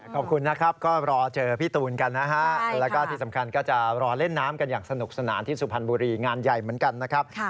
ขอบคุณนะครับก็รอเจอพี่ตูนกันนะฮะแล้วก็ที่สำคัญก็จะรอเล่นน้ำกันอย่างสนุกสนานที่สุพรรณบุรีงานใหญ่เหมือนกันนะครับ